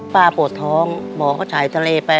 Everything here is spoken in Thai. ป้าโปรดท้องหมอก็ถ่ายทะเลไป